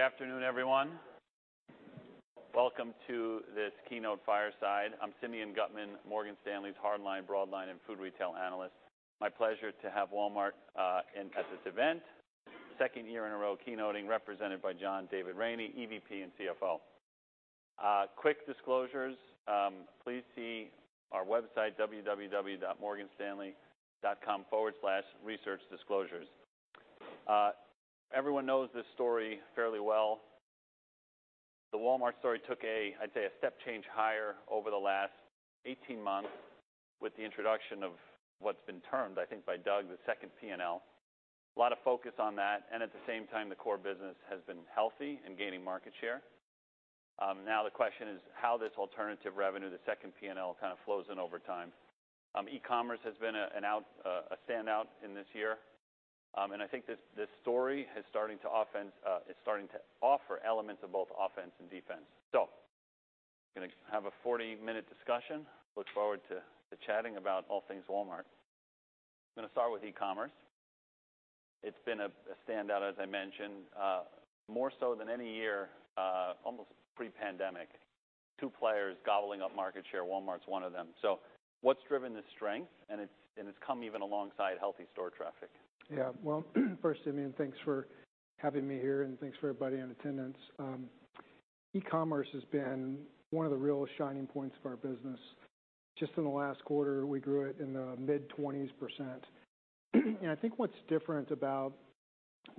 Good afternoon, everyone. Welcome to this keynote fireside. I'm Simeon Gutman, Morgan Stanley's Hardline, Broadline, and Food Retail analyst. My pleasure to have Walmart in at this event. Second year in a row, keynoting, represented by John David Rainey, EVP and CFO. Quick disclosures. Please see our website, www.morganstanley.com/researchdisclosures. Everyone knows this story fairly well. The Walmart story took a step change higher over the last 18 months with the introduction of what's been termed, I think, by Doug, the second P&L. A lot of focus on that, and at the same time, the core business has been healthy and gaining market share. Now the question is how this alternative revenue, the second P&L, kind of flows in over time. E-commerce has been a standout in this year. And I think this story is starting to offer elements of both offense and defense. So we're gonna have a 40-minute discussion. Look forward to chatting about all things Walmart. I'm gonna start with e-commerce. It's been a standout, as I mentioned, more so than any year, almost pre-pandemic. Two players gobbling up market share. Walmart's one of them. So what's driven this strength? And it's come even alongside healthy store traffic. Yeah. Well, first, Simeon, thanks for having me here, and thanks for everybody in attendance. E-commerce has been one of the real shining points of our business. Just in the last quarter, we grew it in the mid-20%. And I think what's different about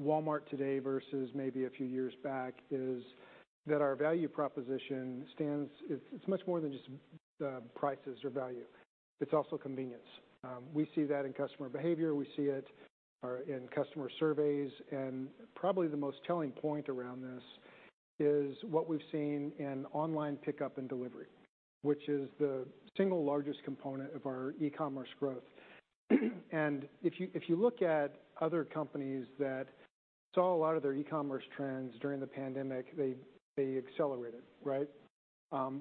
Walmart today versus maybe a few years back, is that our value proposition stands. It, it's much more than just prices or value. It's also convenience. We see that in customer behavior. We see it in customer surveys, and probably the most telling point around this is what we've seen in online pickup and delivery, which is the single largest component of our e-commerce growth. And if you look at other companies that saw a lot of their e-commerce trends during the pandemic, they accelerated, right?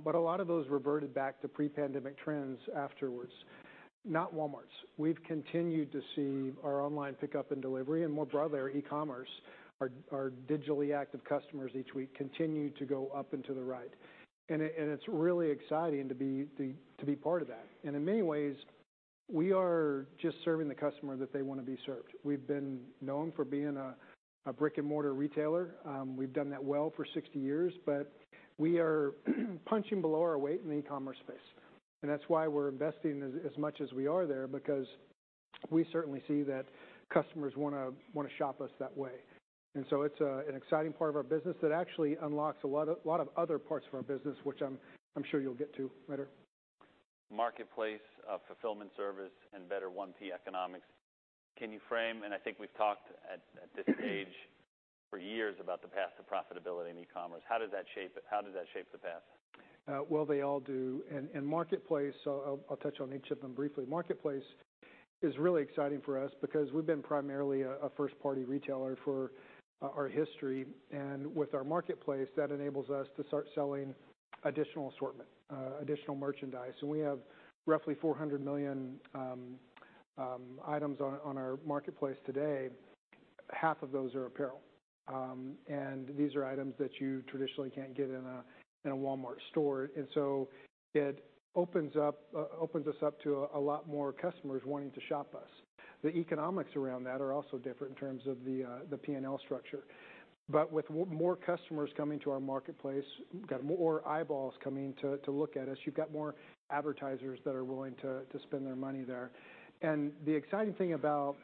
But a lot of those reverted back to pre-pandemic trends afterwards. Not Walmart's. We've continued to see our online pickup and delivery, and more broadly, our e-commerce, our digitally active customers each week continue to go up and to the right. And it's really exciting to be part of that. And in many ways, we are just serving the customer that they want to be served. We've been known for being a brick-and-mortar retailer. We've done that well for 60 years, but we are punching below our weight in the e-commerce space. And that's why we're investing as much as we are there, because we certainly see that customers wanna shop us that way. And so it's an exciting part of our business that actually unlocks a lot of other parts of our business, which I'm sure you'll get to later. Marketplace, fulfillment service, and better 1P economics. Can you frame, and I think we've talked at this stage for years about the path to profitability in e-commerce. How does that shape it? How does that shape the path? Well, they all do. And Marketplace, so I'll touch on each of them briefly. Marketplace is really exciting for us because we've been primarily a first-party retailer for our history. And with our marketplace, that enables us to start selling additional assortment, additional merchandise. And we have roughly 400 million items on our marketplace today. Half of those are apparel. And these are items that you traditionally can't get in a Walmart store. And so it opens up, opens us up to a lot more customers wanting to shop us. The economics around that are also different in terms of the P&L structure. But with more customers coming to our marketplace, we've got more eyeballs coming to look at us. You've got more advertisers that are willing to spend their money there. And the exciting thing about...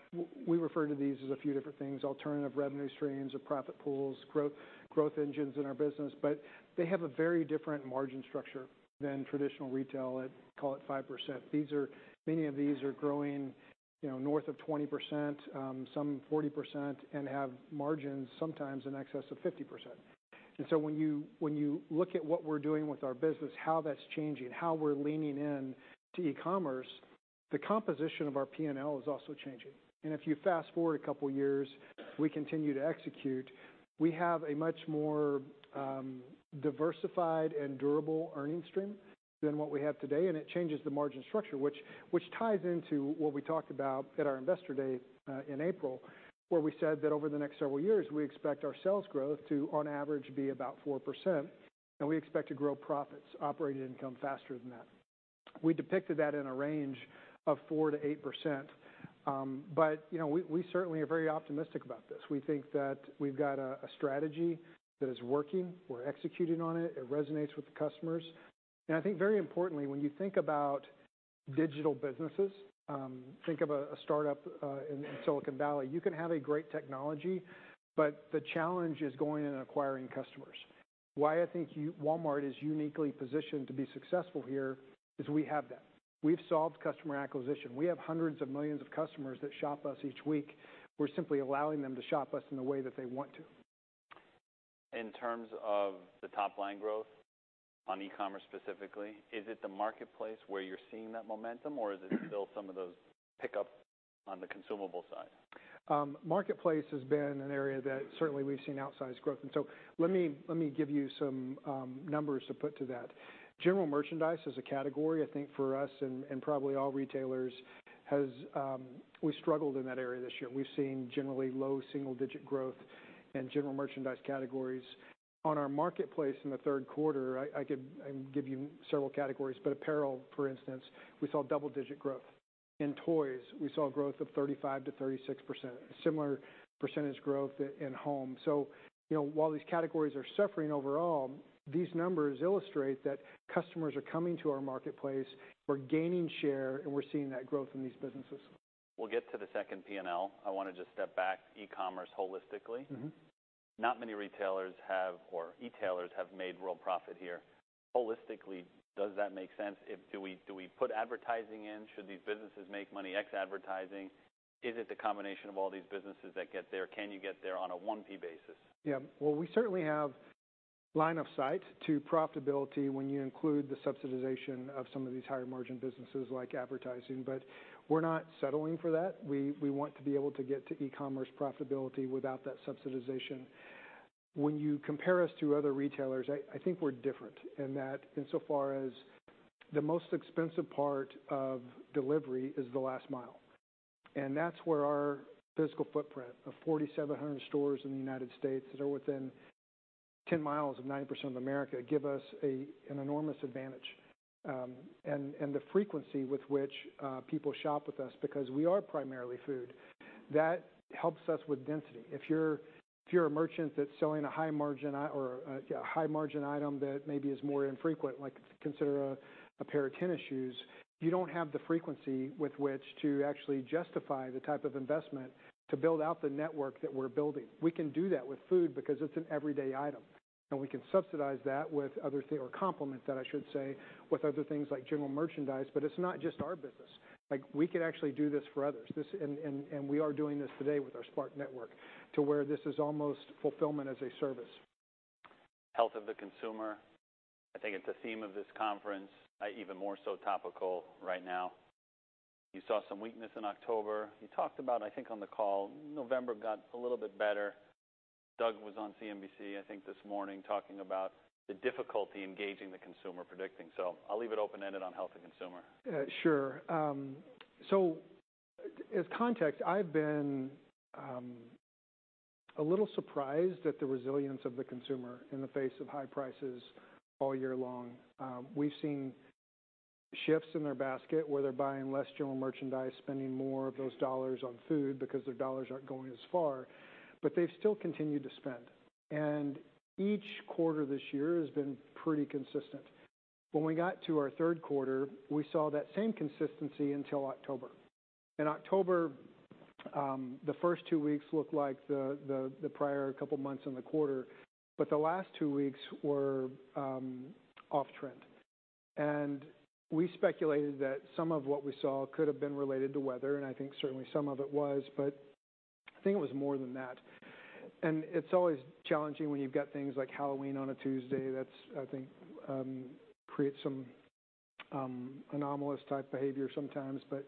we refer to these as a few different things: alternative revenue streams or profit pools, growth engines in our business, but they have a very different margin structure than traditional retail at, call it 5%. These are, many of these are growing, you know, north of 20%, some 40%, and have margins sometimes in excess of 50%. And so when you look at what we're doing with our business, how that's changing, how we're leaning in to e-commerce, the composition of our P&L is also changing. If you fast-forward a couple of years, we continue to execute, we have a much more diversified and durable earning stream than what we have today, and it changes the margin structure, which ties into what we talked about at our Investor Day in April, where we said that over the next several years, we expect our sales growth to, on average, be about 4%, and we expect to grow profits, operating income faster than that. We depicted that in a range of 4%-8%. But, you know, we certainly are very optimistic about this. We think that we've got a strategy that is working. We're executing on it. It resonates with the customers. And I think, very importantly, when you think about digital businesses, think of a startup in Silicon Valley. You can have a great technology, but the challenge is going and acquiring customers. Why I think Walmart is uniquely positioned to be successful here, is we have that. We've solved customer acquisition. We have hundreds of millions of customers that shop us each week. We're simply allowing them to shop us in the way that they want to. In terms of the top line growth on e-commerce specifically, is it the marketplace where you're seeing that momentum, or is it still some of those pickup on the consumable side? Marketplace has been an area that certainly we've seen outsized growth. And so let me, let me give you some numbers to put to that. General merchandise as a category, I think, for us and probably all retailers, has, we struggled in that area this year. We've seen generally low single-digit growth in general merchandise categories... On our marketplace in the third quarter, I can give you several categories, but apparel, for instance, we saw double-digit growth. In toys, we saw growth of 35%-36%. Similar percentage growth in home. So, you know, while these categories are suffering overall, these numbers illustrate that customers are coming to our marketplace, we're gaining share, and we're seeing that growth in these businesses. We'll get to the second P&L. I want to just step back, e-commerce holistically. Mm-hmm. Not many retailers have, or e-tailers have made real profit here. Holistically, does that make sense? If do we, do we put advertising in? Should these businesses make money ex advertising? Is it the combination of all these businesses that get there? Can you get there on a 1P basis? Yeah. Well, we certainly have line of sight to profitability when you include the subsidization of some of these higher margin businesses like advertising, but we're not settling for that. We, we want to be able to get to e-commerce profitability without that subsidization. When you compare us to other retailers, I, I think we're different in that insofar as the most expensive part of delivery is the last mile, and that's where our physical footprint of 4,700 stores in the United States that are within 10 mi of 90% of America, give us an enormous advantage. And, and the frequency with which people shop with us because we are primarily food, that helps us with density. If you're a merchant that's selling a high margin item that maybe is more infrequent, like consider a pair of tennis shoes, you don't have the frequency with which to actually justify the type of investment to build out the network that we're building. We can do that with food because it's an everyday item, and we can subsidize that with other—or complement that, I should say, with other things like general merchandise, but it's not just our business. Like, we could actually do this for others. And we are doing this today with our smart network, to where this is almost fulfillment as a service. Health of the consumer, I think it's a theme of this conference, even more so topical right now. You saw some weakness in October. You talked about, I think on the call, November got a little bit better. Doug was on CNBC, I think, this morning, talking about the difficulty engaging the consumer predicting. So I'll leave it open-ended on health and consumer. Sure. So as context, I've been a little surprised at the resilience of the consumer in the face of high prices all year long. We've seen shifts in their basket, where they're buying less general merchandise, spending more of those dollars on food because their dollars aren't going as far, but they've still continued to spend. And each quarter this year has been pretty consistent. When we got to our third quarter, we saw that same consistency until October. In October, the first two weeks looked like the prior couple of months in the quarter, but the last two weeks were off trend. And we speculated that some of what we saw could have been related to weather, and I think certainly some of it was, but I think it was more than that. It's always challenging when you've got things like Halloween on a Tuesday. That's, I think, creates some, anomalous type behavior sometimes. But,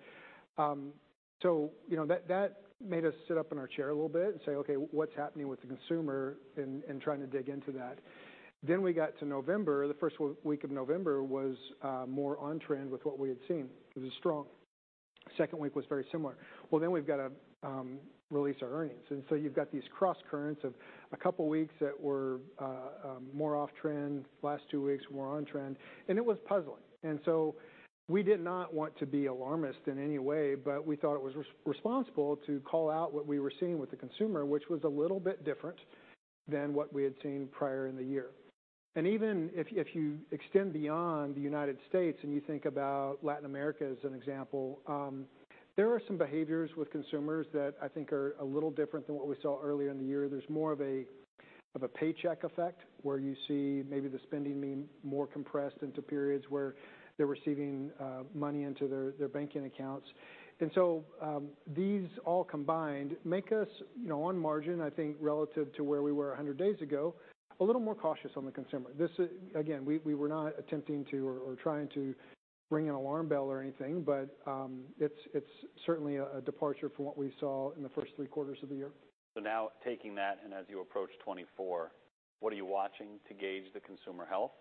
so, you know, that made us sit up in our chair a little bit and say: "Okay, what's happening with the consumer?" And trying to dig into that. Then we got to November. The first week of November was, more on trend with what we had seen. It was strong. Second week was very similar. Well, then we've got to, release our earnings. And so you've got these crosscurrents of a couple weeks that were, more off trend, last two weeks were on trend, and it was puzzling. So we did not want to be alarmist in any way, but we thought it was responsible to call out what we were seeing with the consumer, which was a little bit different than what we had seen prior in the year. Even if you extend beyond the United States, and you think about Latin America, as an example, there are some behaviors with consumers that I think are a little different than what we saw earlier in the year. There's more of a paycheck effect, where you see maybe the spending being more compressed into periods where they're receiving money into their banking accounts. And so these all combined make us, you know, on margin, I think, relative to where we were 100 days ago, a little more cautious on the consumer. This is again, we were not attempting to or trying to ring an alarm bell or anything, but it's certainly a departure from what we saw in the first three quarters of the year. So now taking that, and as you approach 2024, what are you watching to gauge the consumer health?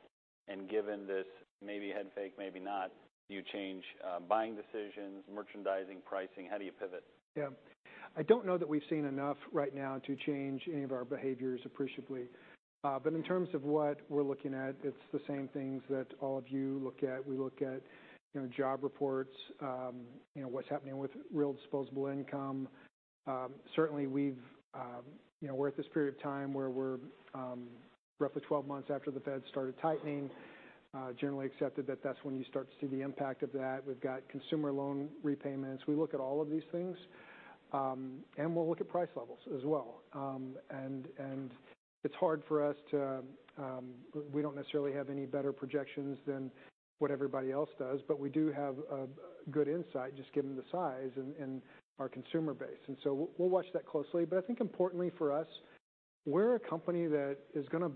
And given this maybe head fake, maybe not, do you change buying decisions, merchandising, pricing? How do you pivot? Yeah. I don't know that we've seen enough right now to change any of our behaviors appreciably. But in terms of what we're looking at, it's the same things that all of you look at. We look at, you know, job reports, you know, what's happening with real disposable income. Certainly we've, you know, we're at this period of time where we're roughly 12 months after the Fed started tightening, generally accepted that that's when you start to see the impact of that. We've got consumer loan repayments. We look at all of these things, and we'll look at price levels as well. And it's hard for us to... We don't necessarily have any better projections than what everybody else does, but we do have a good insight, just given the size and our consumer base, and so we'll watch that closely. But I think importantly for us, we're a company that is gonna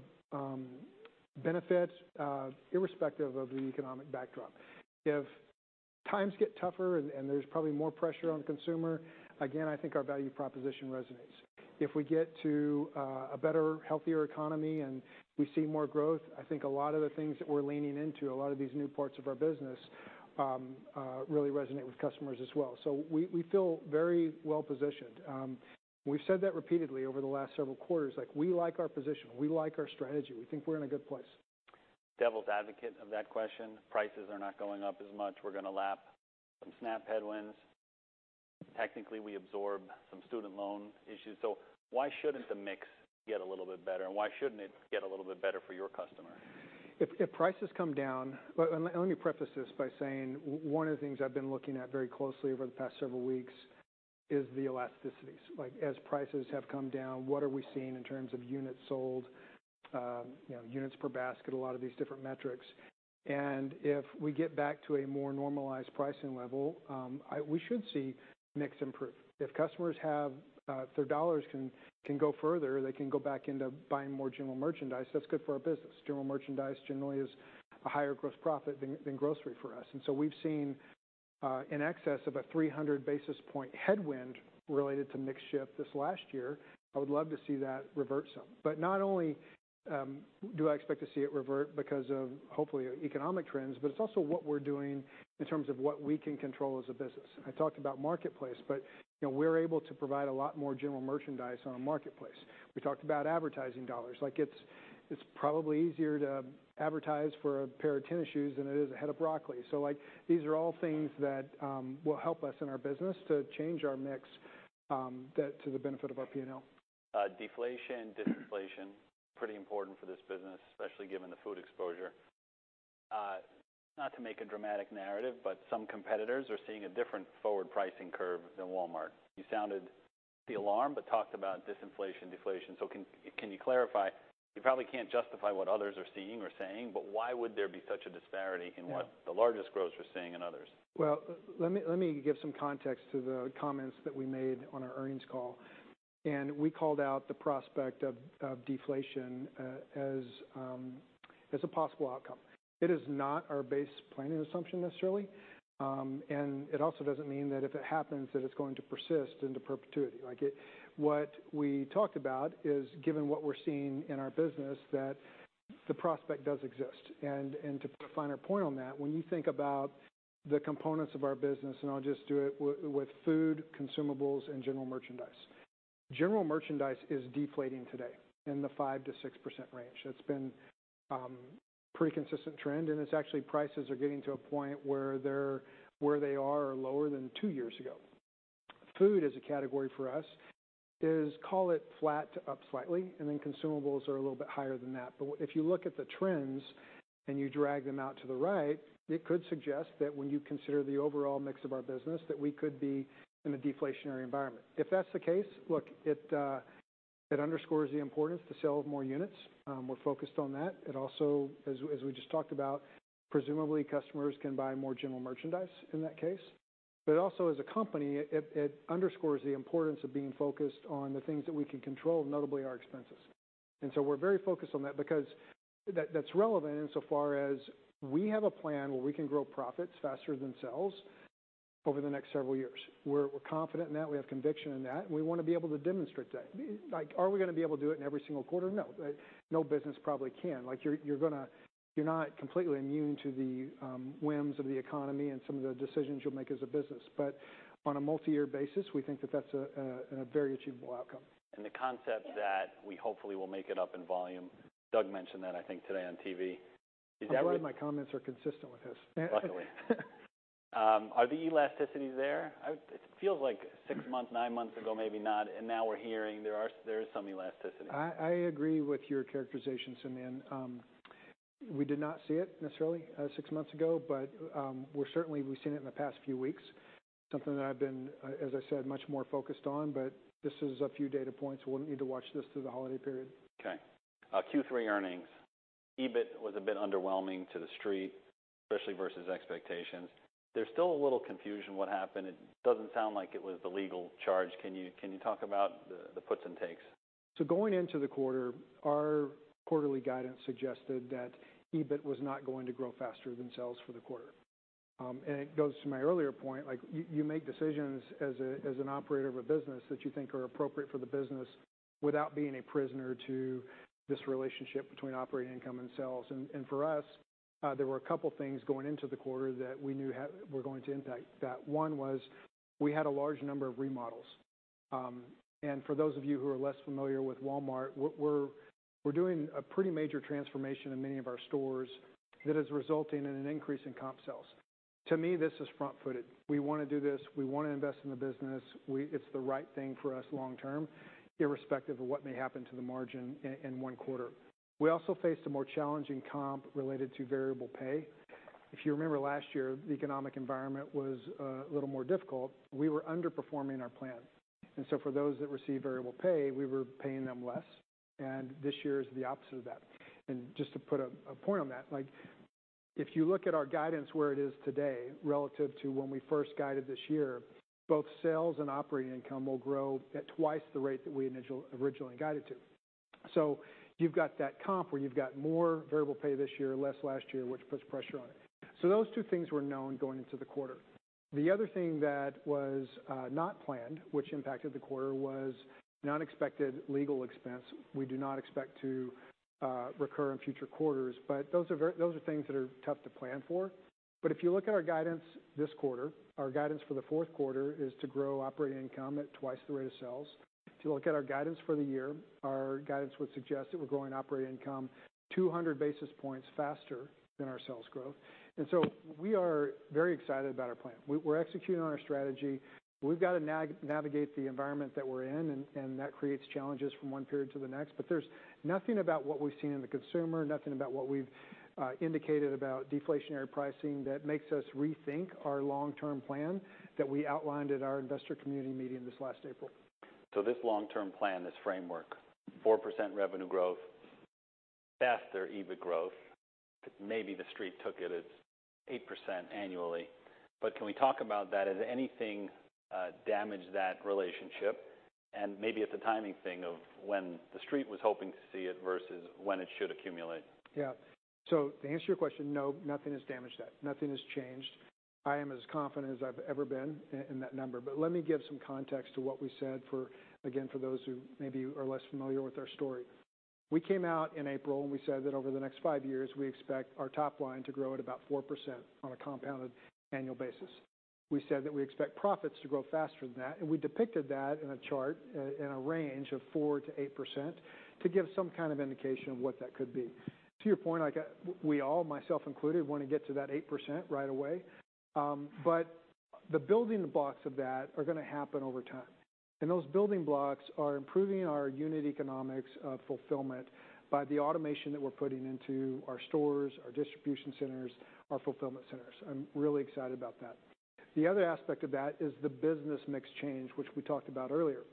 benefit irrespective of the economic backdrop. If times get tougher and there's probably more pressure on consumer, again, I think our value proposition resonates. If we get to a better, healthier economy and we see more growth, I think a lot of the things that we're leaning into, a lot of these new parts of our business, really resonate with customers as well. So we feel very well positioned. We've said that repeatedly over the last several quarters. Like, we like our position, we like our strategy. We think we are in a good place. Devil's advocate of that question, prices are not going up as much. We're going to lap some snap headwinds. Technically, we absorb some student loan issues. So why shouldn't the mix get a little bit better, and why shouldn't it get a little bit better for your customer? If prices come down. But let me preface this by saying, one of the things I've been looking at very closely over the past several weeks is the elasticities. Like, as prices have come down, what are we seeing in terms of units sold, you know, units per basket, a lot of these different metrics. And if we get back to a more normalized pricing level, we should see mix improve. If customers have, if their dollars can go further, they can go back into buying more general merchandise, that's good for our business. General merchandise generally is a higher gross profit than grocery for us. And so we've seen in excess of a 300 basis point headwind related to mix shift this last year. I would love to see that revert some. But not only do I expect to see it revert because of, hopefully, economic trends, but it's also what we're doing in terms of what we can control as a business. I talked about Marketplace, but, you know, we're able to provide a lot more general merchandise on our Marketplace. We talked about advertising dollars. Like, it's, it's probably easier to advertise for a pair of tennis shoes than it is a head of broccoli. So like, these are all things that will help us in our business to change our mix, that to the benefit of our P&L. Deflation, disinflation, pretty important for this business, especially given the food exposure. Not to make a dramatic narrative, but some competitors are seeing a different forward pricing curve than Walmart. You sounded the alarm but talked about disinflation, deflation. So, can you clarify? You probably can't justify what others are seeing or saying, but why would there be such a disparity in what the largest growers are seeing in others? Well, let me give some context to the comments that we made on our earnings call. And we called out the prospect of deflation as a possible outcome. It is not our base planning assumption, necessarily. And it also doesn't mean that if it happens, that it's going to persist into perpetuity. Like, what we talked about is, given what we're seeing in our business, that the prospect does exist. And to put a finer point on that, when you think about the components of our business, and I'll just do it with food, consumables, and general merchandise. General merchandise is deflating today in the 5%-6% range. That's been pretty consistent trend, and it's actually, prices are getting to a point where they are lower than two years ago. Food is a category for us, call it flat to up slightly, and then consumables are a little bit higher than that. But if you look at the trends and you drag them out to the right, it could suggest that when you consider the overall mix of our business, that we could be in a deflationary environment. If that's the case, look, it underscores the importance to sell more units. We're focused on that. It also, as we just talked about, presumably customers can buy more general merchandise in that case. But also, as a company, it underscores the importance of being focused on the things that we can control, notably our expenses. So we're very focused on that because that, that's relevant insofar as we have a plan where we can grow profits faster than sales over the next several years. We're confident in that, we have conviction in that, and we want to be able to demonstrate that. Like, are we going to be able to do it in every single quarter? No. No business probably can. Like, you're gonna, you're not completely immune to the whims of the economy and some of the decisions you'll make as a business. But on a multi-year basis, we think that that's a very achievable outcome. The concept that we hopefully will make it up in volume. Doug mentioned that, I think, today on TV. Is that where- I'm glad my comments are consistent with his. Luckily. Are the elasticities there? It feels like 6 months, 9 months ago, maybe not. And now we're hearing there are, there is some elasticity. I agree with your characterization, Simeon. We did not see it necessarily six months ago, but we're certainly, we've seen it in the past few weeks. Something that I've been, as I said, much more focused on, but this is a few data points. We'll need to watch this through the holiday period. Okay. Q3 earnings. EBIT was a bit underwhelming to the street, especially versus expectations. There's still a little confusion what happened. It doesn't sound like it was the legal charge. Can you talk about the puts and takes? So going into the quarter, our quarterly guidance suggested that EBIT was not going to grow faster than sales for the quarter. It goes to my earlier point, like, you make decisions as an operator of a business that you think are appropriate for the business without being a prisoner to this relationship between operating income and sales. For us, there were a couple things going into the quarter that we knew were going to impact that. One was we had a large number of remodels. For those of you who are less familiar with Walmart, we're doing a pretty major transformation in many of our stores that is resulting in an increase in comp sales. To me, this is front-footed. We want to do this. We want to invest in the business. It's the right thing for us long term, irrespective of what may happen to the margin in one quarter. We also faced a more challenging comp related to variable pay. If you remember last year, the economic environment was a little more difficult. We were underperforming our plan, and so for those that received variable pay, we were paying them less, and this year is the opposite of that. And just to put a point on that, like, if you look at our guidance, where it is today relative to when we first guided this year, both sales and operating income will grow at twice the rate that we originally guided to. So you've got that comp, where you've got more variable pay this year, less last year, which puts pressure on it. So those two things were known going into the quarter.... The other thing that was not planned, which impacted the quarter, was non-expected legal expense. We do not expect to recur in future quarters, but those are things that are tough to plan for. But if you look at our guidance this quarter, our guidance for the fourth quarter is to grow operating income at twice the rate of sales. If you look at our guidance for the year, our guidance would suggest that we're growing operating income 200 basis points faster than our sales growth. And so we are very excited about our plan. We're executing on our strategy. We've got to navigate the environment that we're in, and that creates challenges from one period to the next. But there's nothing about what we've seen in the consumer, nothing about what we've indicated about deflationary pricing that makes us rethink our long-term plan that we outlined at our investor community meeting this last April. So this long-term plan, this framework, 4% revenue growth, faster EBIT growth, maybe the street took it as 8% annually. But can we talk about that, has anything damaged that relationship? And maybe it's a timing thing of when the street was hoping to see it versus when it should accumulate. Yeah. So to answer your question, no, nothing has damaged that. Nothing has changed. I am as confident as I've ever been in that number. But let me give some context to what we said, again, for those who maybe are less familiar with our story. We came out in April, and we said that over the next 5 years, we expect our top line to grow at about 4% on a compounded annual basis. We said that we expect profits to grow faster than that, and we depicted that in a chart in a range of 4%-8%, to give some kind of indication of what that could be. To your point, like, we all, myself included, want to get to that 8% right away. But the building blocks of that are going to happen over time, and those building blocks are improving our unit economics of fulfillment by the automation that we're putting into our stores, our distribution centers, our fulfillment centers. I'm really excited about that. The other aspect of that is the business mix change, which we talked about earlier.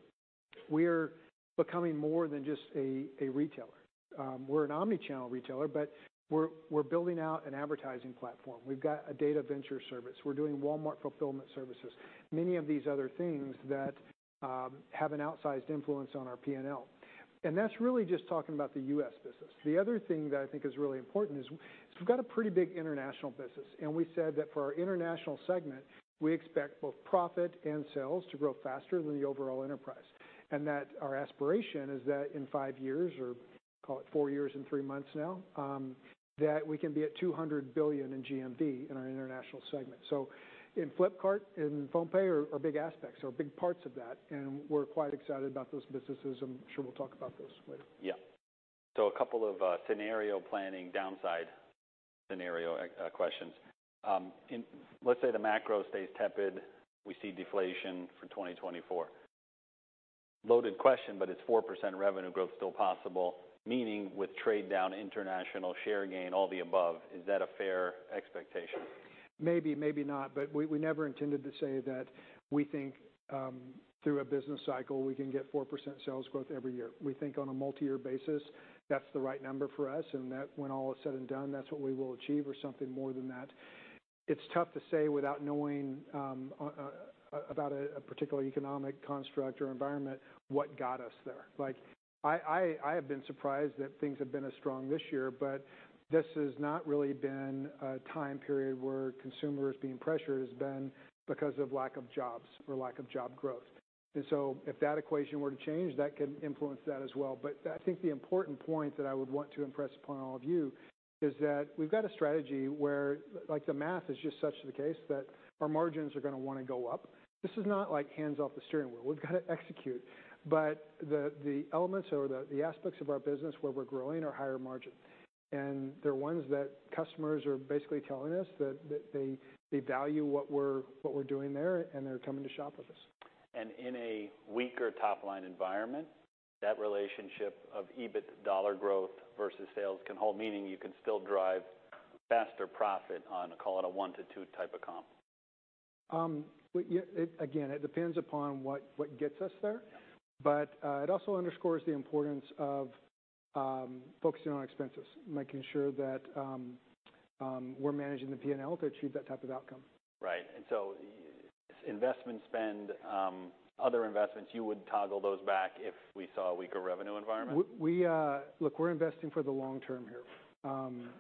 We're becoming more than just a, a retailer. We're an omni-channel retailer, but we're, we're building out an advertising platform. We've got a data venture service. We're doing Walmart Fulfillment Services. Many of these other things that, have an outsized influence on our P&L, and that's really just talking about the U.S. business. The other thing that I think is really important is we've got a pretty big international business, and we said that for our international segment, we expect both profit and sales to grow faster than the overall enterprise. And that our aspiration is that in five years, or call it four years and three months now, that we can be at $200 billion in GMV in our international segment. So in Flipkart and PhonePe are big aspects, are big parts of that, and we're quite excited about those businesses. I'm sure we'll talk about those later. Yeah. So a couple of scenario planning, downside scenario questions. Let's say the macro stays tepid, we see deflation for 2024. Loaded question, but is 4% revenue growth still possible? Meaning with trade down, international share gain, all the above. Is that a fair expectation? Maybe, maybe not, but we never intended to say that we think through a business cycle, we can get 4% sales growth every year. We think on a multi-year basis, that's the right number for us, and that when all is said and done, that's what we will achieve, or something more than that. It's tough to say without knowing about a particular economic construct or environment what got us there. Like, I have been surprised that things have been as strong this year, but this has not really been a time period where consumer is being pressured, it's been because of lack of jobs or lack of job growth. And so if that equation were to change, that can influence that as well. But I think the important point that I would want to impress upon all of you is that we've got a strategy where, like, the math is just such the case that our margins are going to want to go up. This is not like hands off the steering wheel. We've got to execute. But the elements or the aspects of our business where we're growing are higher margin, and they're ones that customers are basically telling us that they value what we're doing there, and they're coming to shop with us. In a weaker top-line environment, that relationship of EBIT dollar growth versus sales can hold, meaning you can still drive faster profit on, call it, a 1-2 type of comp? Yeah, again, it depends upon what gets us there. But it also underscores the importance of focusing on expenses, making sure that we're managing the P&L to achieve that type of outcome. Right. And so investment spend, other investments, you would toggle those back if we saw a weaker revenue environment? Look, we're investing for the long term here.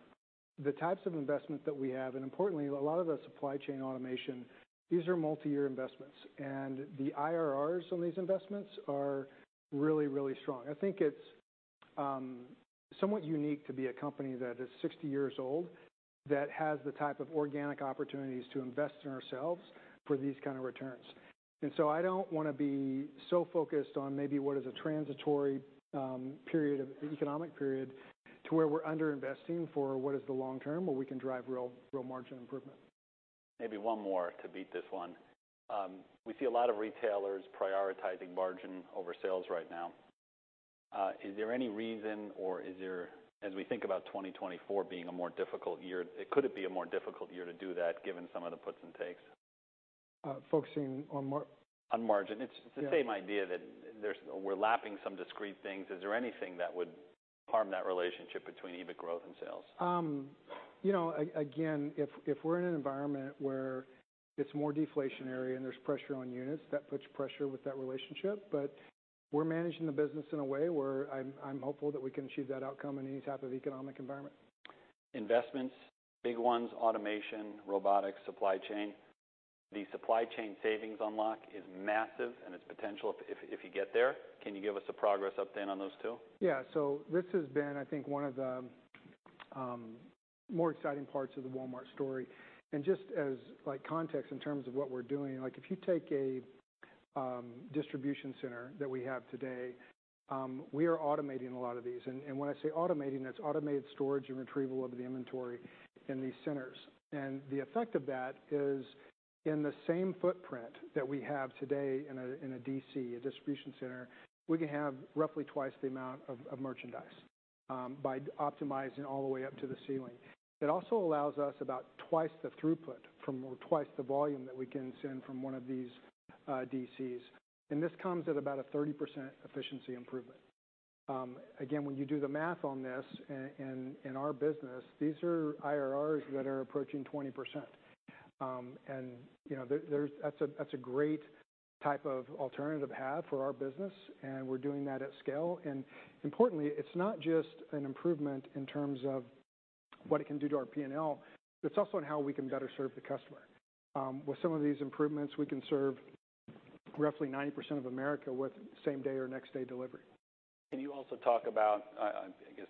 The types of investment that we have, and importantly, a lot of the supply chain automation, these are multi-year investments, and the IRRs on these investments are really, really strong. I think it's somewhat unique to be a company that is 60 years old, that has the type of organic opportunities to invest in ourselves for these kind of returns. And so I don't want to be so focused on maybe what is a transitory period of economic period, to where we're under-investing for what is the long term, where we can drive real, real margin improvement. Maybe one more to beat this one. We see a lot of retailers prioritizing margin over sales right now. Is there any reason, or is there, as we think about 2024 being a more difficult year, could it be a more difficult year to do that given some of the puts and takes? Focusing on On margin. Yeah. It's the same idea, that there's, we're lapping some discrete things. Is there anything that would harm that relationship between EBIT growth and sales? You know, again, if we're in an environment where it's more deflationary and there's pressure on units, that puts pressure with that relationship. But we're managing the business in a way where I'm hopeful that we can achieve that outcome in any type of economic environment.... Investments, big ones, automation, robotics, supply chain. The supply chain savings unlock is massive, and its potential if you get there. Can you give us a progress update on those two? Yeah. So this has been, I think, one of the more exciting parts of the Walmart story. And just as like context in terms of what we're doing, like if you take a distribution center that we have today, we are automating a lot of these. And when I say automating, that's automated storage and retrieval of the inventory in these centers. And the effect of that is in the same footprint that we have today in a, in a DC, a distribution center, we can have roughly twice the amount of merchandise by optimizing all the way up to the ceiling. It also allows us about twice the throughput from or twice the volume that we can send from one of these DCs. And this comes at about a 30% efficiency improvement. Again, when you do the math on this in our business, these are IRRs that are approaching 20%. And, you know, that's a great type of alternative to have for our business, and we're doing that at scale. And importantly, it's not just an improvement in terms of what it can do to our P&L, but it's also on how we can better serve the customer. With some of these improvements, we can serve roughly 90% of America with same day or next day delivery. Can you also talk about, I guess,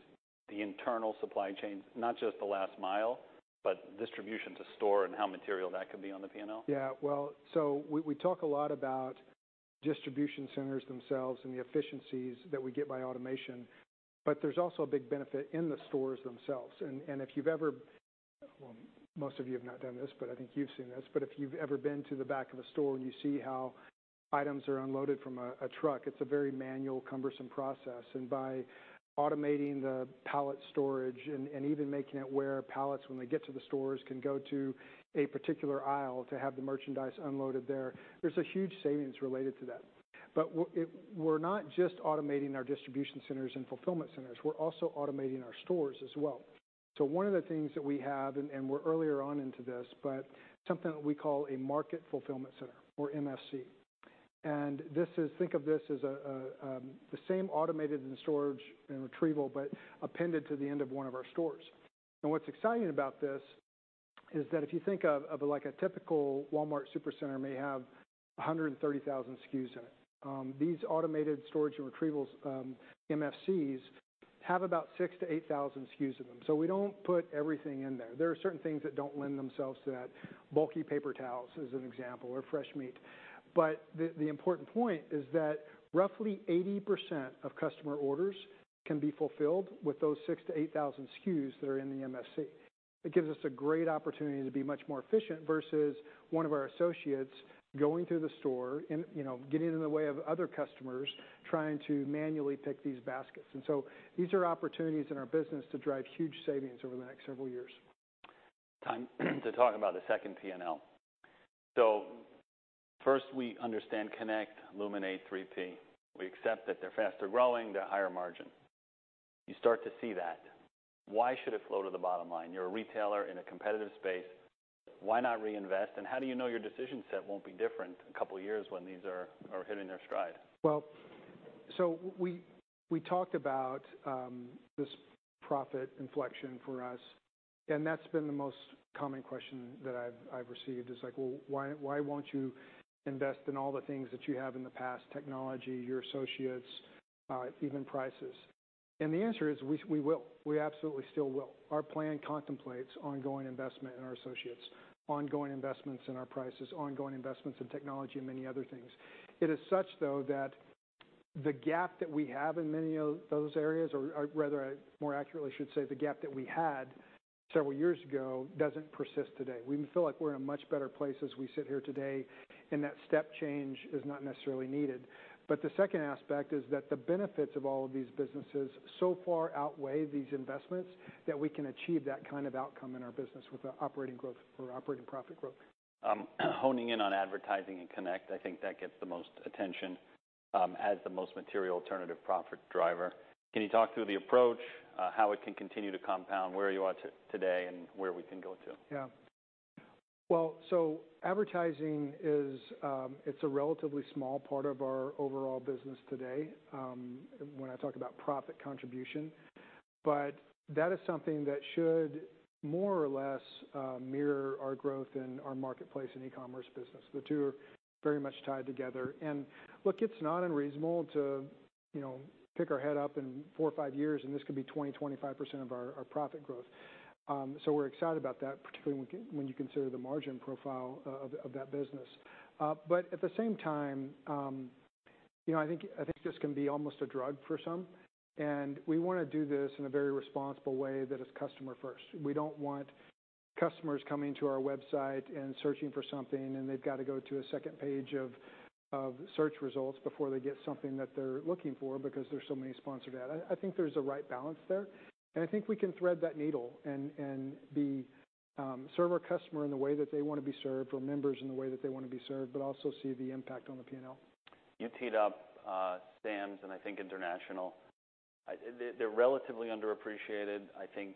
the internal supply chain, not just the last mile, but distribution to store and how material that could be on the P&L? Yeah, well, so we talk a lot about distribution centers themselves and the efficiencies that we get by automation, but there's also a big benefit in the stores themselves. And if you've ever—well, most of you have not done this, but I think you've seen this. But if you've ever been to the back of a store and you see how items are unloaded from a truck, it's a very manual, cumbersome process. And by automating the pallet storage and even making it where pallets, when they get to the stores, can go to a particular aisle to have the merchandise unloaded there, there's a huge savings related to that. But we're not just automating our distribution centers and fulfillment centers, we're also automating our stores as well. So one of the things that we have, and we're earlier on into this, but something that we call a Market Fulfillment Center or MFC. And this is. Think of this as the same automated and storage and retrieval, but appended to the end of one of our stores. And what's exciting about this is that if you think of like a typical Walmart Supercenter may have 130,000 SKUs in it. These automated storage and retrievals, MFCs, have about 6,000 SKU -8,000 SKUs in them, so we don't put everything in there. There are certain things that don't lend themselves to that. Bulky paper towels, as an example, or fresh meat. But the important point is that roughly 80% of customer orders can be fulfilled with those 6,000-8,000 SKUs that are in the MFC. It gives us a great opportunity to be much more efficient versus one of our associates going through the store and, you know, getting in the way of other customers, trying to manually pick these baskets. And so these are opportunities in our business to drive huge savings over the next several years. Time to talk about the Second P&L. So first, we understand Connect, Luminate, 3P. We accept that they're faster growing, they're higher margin. You start to see that. Why should it flow to the bottom line? You're a retailer in a competitive space. Why not reinvest? And how do you know your decision set won't be different a couple of years when these are hitting their stride? Well, so we, we talked about, this profit inflection for us, and that's been the most common question that I've received, is like: Well, why, why won't you invest in all the things that you have in the past, technology, your associates, even prices? And the answer is, we will. We absolutely still will. Our plan contemplates ongoing investment in our associates, ongoing investments in our prices, ongoing investments in technology and many other things. It is such, though, that the gap that we have in many of those areas, or rather, I more accurately should say, the gap that we had several years ago, doesn't persist today. We feel like we're in a much better place as we sit here today, and that step change is not necessarily needed. But the second aspect is that the benefits of all of these businesses so far outweigh these investments, that we can achieve that kind of outcome in our business with an operating growth or operating profit growth. Honing in on advertising and Connect, I think that gets the most attention, as the most material alternative profit driver. Can you talk through the approach, how it can continue to compound, where you are today, and where we can go to? Yeah. Well, so advertising is, it's a relatively small part of our overall business today, when I talk about profit contribution. But that is something that should more or less mirror our growth in our marketplace and e-commerce business. The two are very much tied together. And look, it's not unreasonable to, you know, pick our head up in four or five years, and this could be 20%-25% of our, our profit growth. So we're excited about that, particularly when you consider the margin profile of, of that business. But at the same time, you know, I think, I think this can be almost a drug for some, and we want to do this in a very responsible way that is customer first. We don't want customers coming to our website and searching for something, and they've got to go to a second page of search results before they get something that they're looking for because there's so many sponsored ads. I, I think there's a right balance there, and I think we can thread that needle and be, serve our customer in the way that they want to be served, or members in the way that they want to be served, but also see the impact on the P&L. You teed up Sam's, and I think international. They, they're relatively underappreciated. I think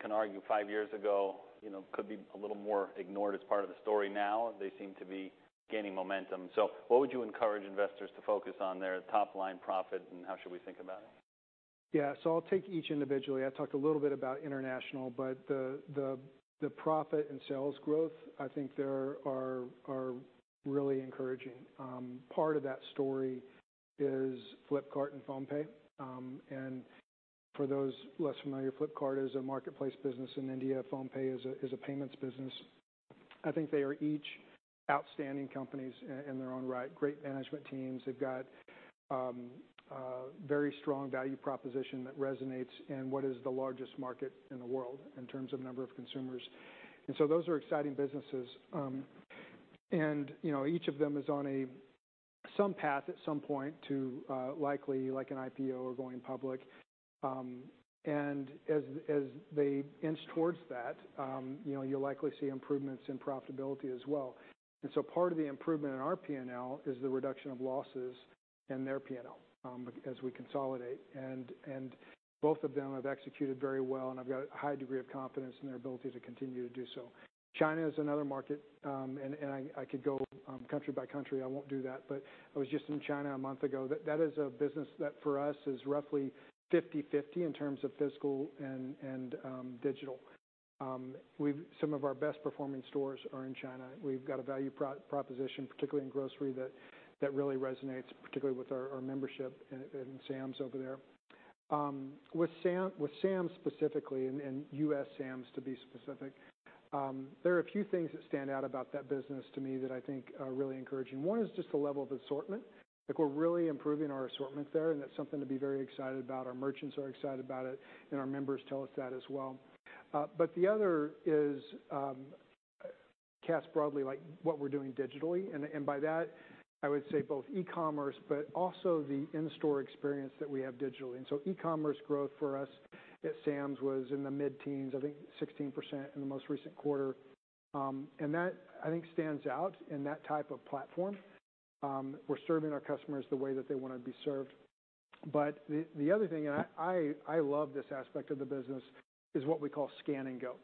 can argue five years ago, you know, could be a little more ignored as part of the story. Now, they seem to be gaining momentum. So what would you encourage investors to focus on there, top line profit, and how should we think about it? ... Yeah, so I'll take each individually. I talked a little bit about international, but the profit and sales growth, I think they are really encouraging. Part of that story is Flipkart and PhonePe. And for those less familiar, Flipkart is a marketplace business in India. PhonePe is a payments business. I think they are each outstanding companies in their own right. Great management teams. They've got a very strong value proposition that resonates in what is the largest market in the world in terms of number of consumers. And so those are exciting businesses. And, you know, each of them is on some path at some point to likely like an IPO or going public. And as they inch towards that, you know, you'll likely see improvements in profitability as well. And so part of the improvement in our P&L is the reduction of losses in their P&L, as we consolidate. And both of them have executed very well, and I've got a high degree of confidence in their ability to continue to do so. China is another market, and I could go country by country. I won't do that, but I was just in China a month ago. That is a business that for us is roughly 50/50 in terms of physical and digital. We've some of our best performing stores are in China. We've got a value proposition, particularly in grocery, that really resonates, particularly with our membership in Sam's over there. With Sam's, with Sam's specifically, and U.S. Sam's, to be specific, there are a few things that stand out about that business to me that I think are really encouraging. One is just the level of assortment. Like, we're really improving our assortment there, and that's something to be very excited about. Our merchants are excited about it, and our members tell us that as well. But the other is, cast broadly, like what we're doing digitally, and by that, I would say both e-commerce, but also the in-store experience that we have digitally. And so e-commerce growth for us at Sam's was in the mid-teens, I think 16% in the most recent quarter. And that, I think, stands out in that type of platform. We're serving our customers the way that they want to be served. But the other thing, and I love this aspect of the business, is what we call Scan & Go.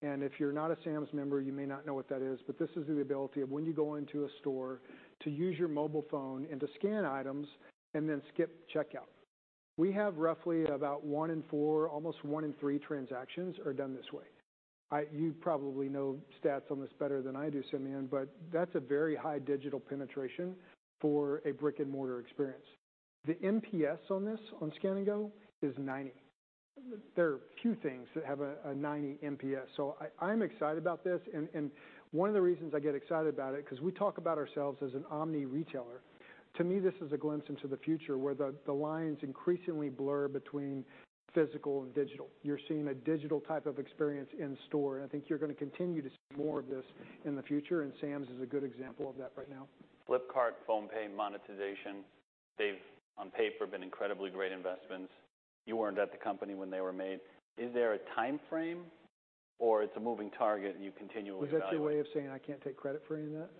And if you're not a Sam's member, you may not know what that is, but this is the ability of when you go into a store to use your mobile phone and to scan items and then skip checkout. We have roughly about one in four, almost one in three transactions are done this way. You probably know stats on this better than I do, Simeon, but that's a very high digital penetration for a brick-and-mortar experience. The NPS on this, on Scan and Go, is 90. There are few things that have a 90 NPS, so I'm excited about this. And one of the reasons I get excited about it, because we talk about ourselves as an omni-retailer. To me, this is a glimpse into the future, where the lines increasingly blur between physical and digital. You're seeing a digital type of experience in store, and I think you're going to continue to see more of this in the future, and Sam's is a good example of that right now. Flipkart, PhonePe, monetization. They've, on paper, been incredibly great investments. You weren't at the company when they were made. Is there a time frame, or it's a moving target and you continually evaluate? Is that your way of saying I can't take credit for any of that?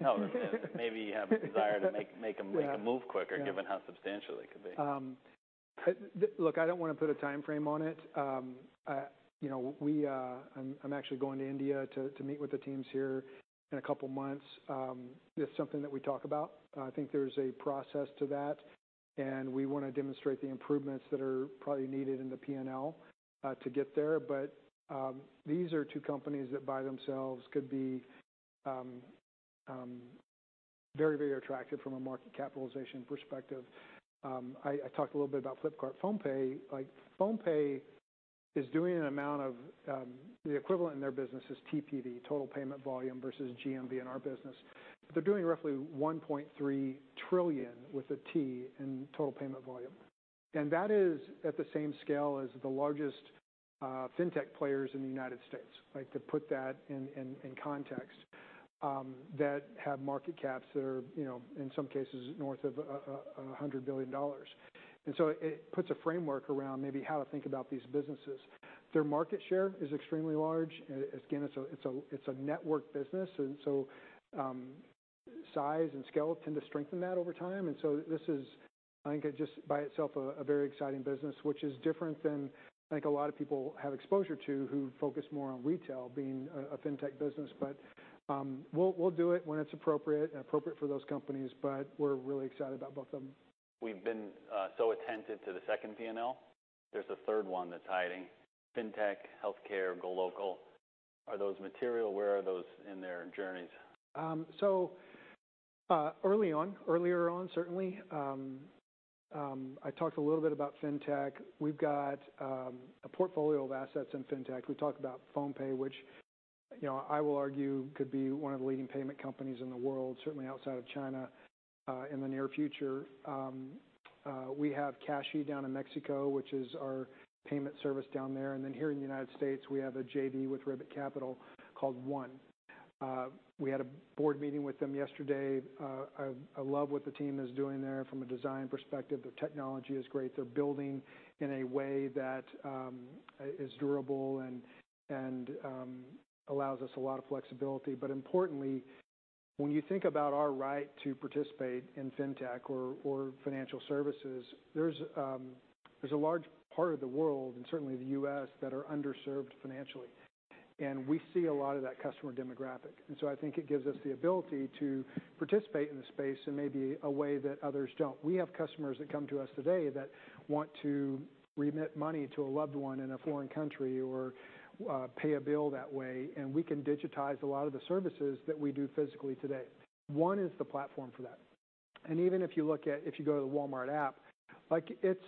No. Maybe you have a desire to make them make a move quicker- Yeah. - given how substantial they could be. Look, I don't want to put a time frame on it. You know, we, I'm actually going to India to meet with the teams here in a couple of months. It's something that we talk about. I think there's a process to that, and we want to demonstrate the improvements that are probably needed in the P&L to get there. But, these are two companies that, by themselves, could be very, very attractive from a market capitalization perspective. I talked a little bit about Flipkart. PhonePe, like, PhonePe is doing an amount of the equivalent in their business is TPV, Total Payment Volume, versus GMV in our business. But they're doing roughly $1.3 trillion, with a T, in total payment volume. And that is at the same scale as the largest fintech players in the United States. Like, to put that in context, that have market caps that are, you know, in some cases, north of $100 billion. And so it puts a framework around maybe how to think about these businesses. Their market share is extremely large. Again, it's a network business, and so size and scale tend to strengthen that over time. And so this is, I think, just by itself, a very exciting business, which is different than I think a lot of people have exposure to, who focus more on retail being a fintech business. But we'll do it when it's appropriate and appropriate for those companies, but we're really excited about both of them. We've been so attentive to the second P&L. There's a third one that's hiding: fintech, healthcare, go local. Are those material? Where are those in their journeys? So, early on, earlier on, certainly, I talked a little bit about fintech. We've got a portfolio of assets in fintech. We talked about PhonePe, which, you know, I will argue could be one of the leading payment companies in the world, certainly outside of China, in the near future. We have Cashi down in Mexico, which is our payment service down there. And then here in the United States, we have a JV with Ribbit Capital called One. We had a board meeting with them yesterday. I love what the team is doing there from a design perspective. Their technology is great. They're building in a way that is durable and allows us a lot of flexibility. But importantly, when you think about our right to participate in fintech or financial services, there's, there's a large part of the world, and certainly the U.S., that are underserved financially. And we see a lot of that customer demographic. And so I think it gives us the ability to participate in the space in maybe a way that others don't. We have customers that come to us today that want to remit money to a loved one in a foreign country or pay a bill that way, and we can digitize a lot of the services that we do physically today. One is the platform for that. And even if you go to the Walmart app, like, it's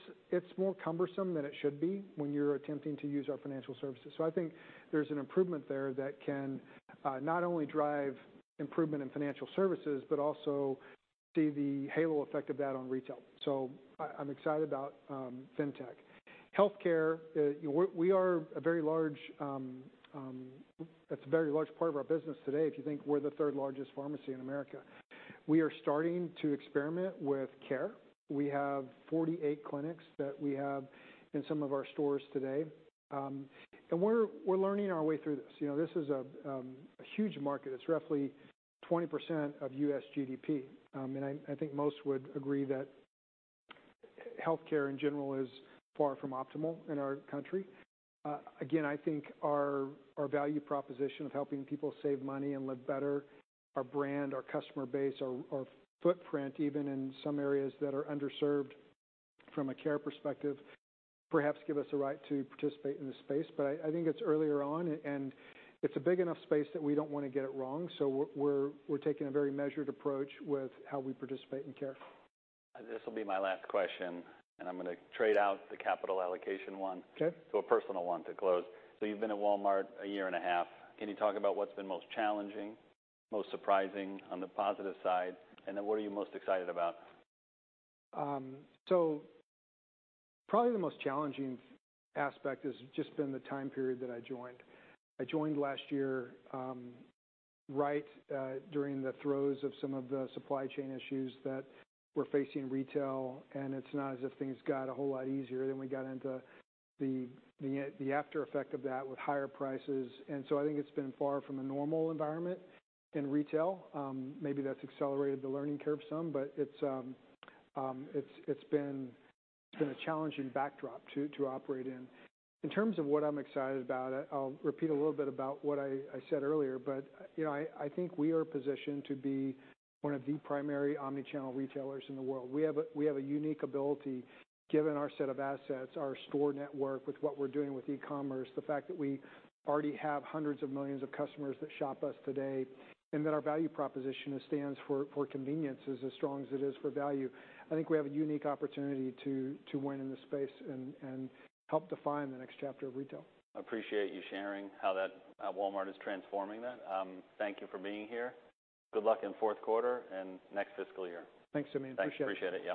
more cumbersome than it should be when you're attempting to use our financial services. So I think there's an improvement there that can not only drive improvement in financial services, but also see the halo effect of that on retail. So I'm excited about fintech. Healthcare, we are a very large, It's a very large part of our business today. If you think, we're the third-largest pharmacy in America. We are starting to experiment with care. We have 48 clinics that we have in some of our stores today. And we're learning our way through this. You know, this is a huge market. It's roughly 20% of U.S. GDP. And I think most would agree that healthcare, in general, is far from optimal in our country. Again, I think our value proposition of helping people save money and live better, our brand, our customer base, our footprint, even in some areas that are underserved from a care perspective, perhaps give us a right to participate in this space. But I think it's earlier on, and it's a big enough space that we don't want to get it wrong. So we're taking a very measured approach with how we participate in care. This will be my last question, and I'm gonna trade out the capital allocation one- Okay. to a personal one to close. So you've been at Walmart a year and a half. Can you talk about what's been most challenging, most surprising on the positive side, and then what are you most excited about? So probably the most challenging aspect has just been the time period that I joined. I joined last year, right, during the throes of some of the supply chain issues that were facing retail, and it's not as if things got a whole lot easier. Then we got into the after effect of that with higher prices. So I think it's been far from a normal environment in retail. Maybe that's accelerated the learning curve some, but it's been a challenging backdrop to operate in. In terms of what I'm excited about, I'll repeat a little bit about what I said earlier, but, you know, I think we are positioned to be one of the primary omni-channel retailers in the world. We have a unique ability, given our set of assets, our store network, with what we're doing with e-commerce, the fact that we already have hundreds of millions of customers that shop us today, and that our value proposition stands for convenience as strong as it is for value. I think we have a unique opportunity to win in this space and help define the next chapter of retail. I appreciate you sharing how that, how Walmart is transforming that. Thank you for being here. Good luck in the fourth quarter and next fiscal year. Thanks, Simeon. Appreciate it. Thanks. Appreciate it, yeah.